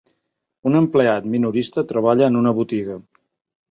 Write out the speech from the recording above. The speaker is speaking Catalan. Un empleat minorista treballa en una botiga.